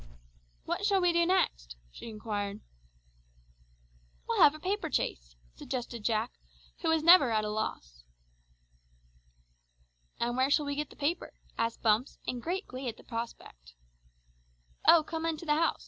"What shall we do next?" she inquired. "We'll have a paper chase," suggested Jack, who was never at a loss. "And where shall we get the paper?" asked Bumps in great glee at the prospect. "Oh, come on into the house.